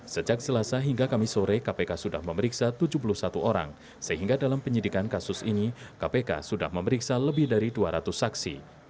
sejak selasa hingga kamis sore kpk sudah memeriksa tujuh puluh satu orang sehingga dalam penyidikan kasus ini kpk sudah memeriksa lebih dari dua ratus saksi